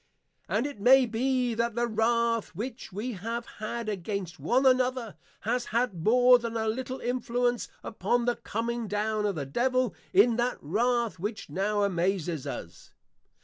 And it may be that the wrath which we have had against one another has had more than a little influence upon the coming down of the Devil in that wrath which now amazes us.